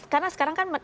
karena sekarang kan